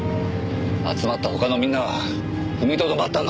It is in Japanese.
集まった他のみんなは踏みとどまったんだろ。